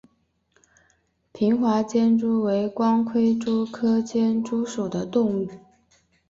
平滑间蛛为光盔蛛科间蛛属的动物。